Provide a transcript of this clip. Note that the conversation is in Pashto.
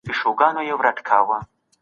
که ښځي او نارينه احتياط وکړي، عزت ساتل کېږي.